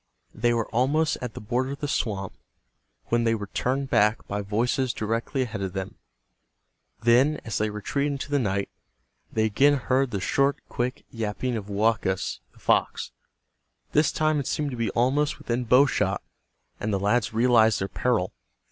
They were almost at the border of the swamp when they were turned back by voices directly ahead of them. Then, as they retreated into the night, they again heard the short, quick yapping of Woakus, the fox. This time it seemed to be almost within bow shot, and the lads realized their peril.